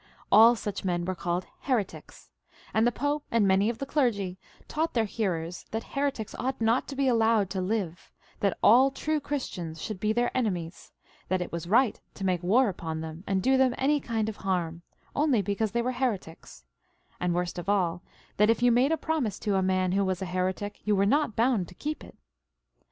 All such men were called heretics ; and the Pope and many of the clergy taught their hearers that heretics ought not to be allowed to live, that all true Christians should be their enemies, that it was right to make war upon them, and do them any kind of harm, only because they were heretics ; and, worst of all, that if you made a promise to a man who was a heretic you were not bound to keep it.